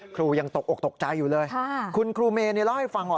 ครูยังตกอกตกใจอยู่เลยคุณครูเมย์เล่าให้ฟังว่า